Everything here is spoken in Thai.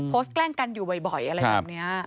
แกล้งกันอยู่บ่อยอะไรแบบนี้